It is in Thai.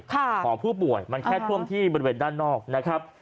ของผู้ป่วยมันแค่ท่วมที่บริเวณด้านนอกนะครับ